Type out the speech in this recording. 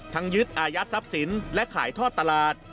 ทั้งยึดอายาททัพสินและขายทอดตลาด